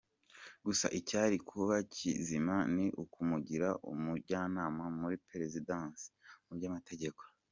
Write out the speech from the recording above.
Gusa icyari kuba kizima ni ukumugira umujyanama muri Perezidansi mu by’amategeko.